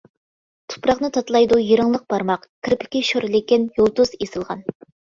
تۇپراقنى تاتىلايدۇ يىرىڭلىق بارماق، كىرپىكى شور لېكىن يۇلتۇز ئېسىلغان.